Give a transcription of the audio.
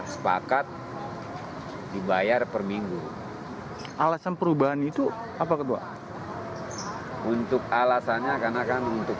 sepakat dibayar perminggu alasan perubahan itu apa kebawa untuk alasannya karena kan untuk